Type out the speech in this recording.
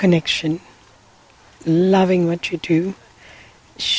mengenai apa yang anda lakukan